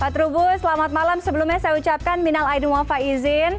trubus selamat malam sebelumnya saya ucapkan minal aidu wafat izin